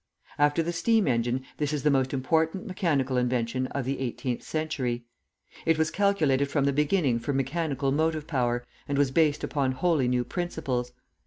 After the steam engine, this is the most important mechanical invention of the 18th century. It was calculated from the beginning for mechanical motive power, and was based upon wholly new principles.